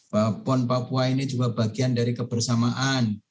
bahwa pon papua ini juga bagian dari kebersamaan